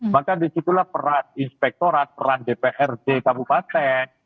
maka disitulah peran inspektorat peran dprd kabupaten